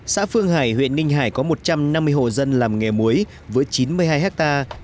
xã phương hải huyện ninh hải có một trăm năm mươi hộ dân làm nghề muối với chín mươi hai hectare